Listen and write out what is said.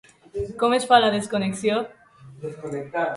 Com es fa la desconnexió?